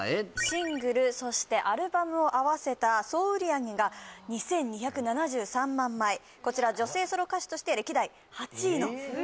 シングルそしてアルバムを合わせた総売上げが２２７３万枚こちら女性ソロ歌手として歴代８位のすごい！